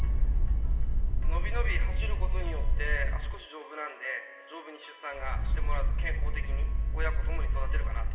のびのび走ることによって、足腰丈夫なんで、丈夫に出産がしてもらう、傾向的に、親子ともに育てるかなと。